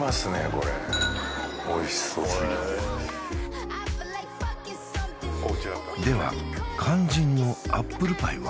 これおいしそうでは肝心のアップルパイは？